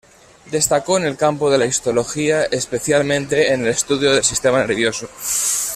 Destacó en el campo de la histología, especialmente en el estudio del sistema nervioso.